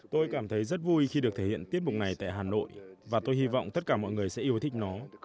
tôi cảm thấy rất vui khi được thể hiện tiết mục này tại hà nội và tôi hy vọng tất cả mọi người sẽ yêu thích nó